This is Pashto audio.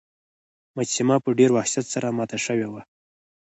مجسمه په ډیر وحشت سره ماته شوې وه.